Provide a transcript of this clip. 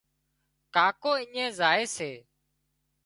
ڪاڪو اڃين زائي سي